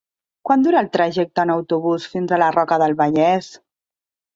Quant dura el trajecte en autobús fins a la Roca del Vallès?